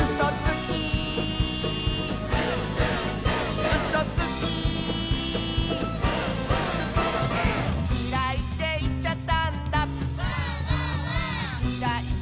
「きらいっていっちゃったんだ」